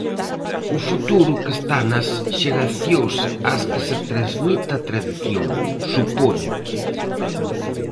O futuro que está nas xeracións ás que se transmite a tradición, supoño.